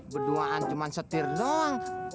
berduaan cuma setir doang